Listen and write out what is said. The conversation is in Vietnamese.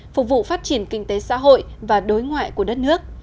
phục vụ phát triển kinh tế xã hội và đối ngoại của đất nước